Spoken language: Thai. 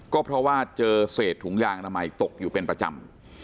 ก็เพราะว่าเจอเศษถุงยางอนามัยตกอยู่เป็นประจำ